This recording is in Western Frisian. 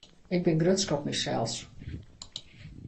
Ik bin grutsk op mysels.